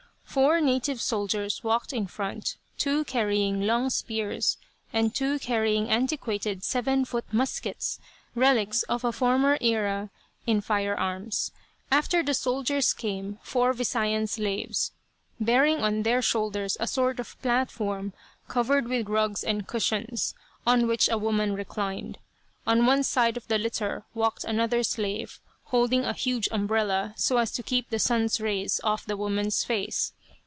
Four native soldiers walked in front, two carrying long spears, and two carrying antiquated seven foot muskets, relics of a former era in fire arms. After the soldiers came four Visayan slaves, bearing on their shoulders a sort of platform covered with rugs and cushions, on which a woman reclined. On one side of the litter walked another slave, holding a huge umbrella so as to keep the sun's rays off the woman's face.